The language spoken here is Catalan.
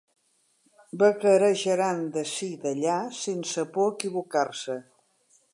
Vagarejaran d'ací d'allà sense por a equivocar-se.